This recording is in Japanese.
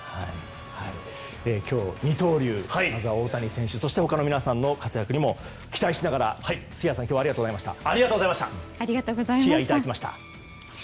今日は二刀流まずは大谷選手そして皆さんの活躍を期待しながら、杉谷さんありがとうございました。